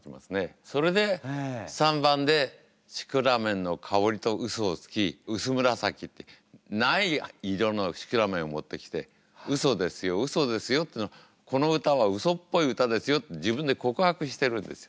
それで３番で「シクラメンのかほり」とウソをつき「うす紫」ってない色のシクラメンを持ってきてウソですよウソですよっていうのをこの歌は「ウソっぽい歌ですよ」って自分で告白してるんですよ。